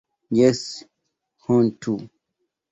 Jes, hontu!